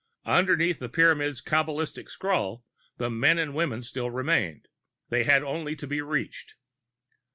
Underneath the Pyramids' cabalistic scrawl, the men and women still remained. They had only to be reached.